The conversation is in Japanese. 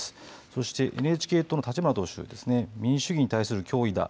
そしてＮＨＫ党の立花党首、民主主義に対する脅威だ。